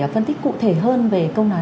phân tích cụ thể hơn về công